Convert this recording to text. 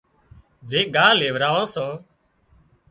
زم ڳاهَه ليوراوان سان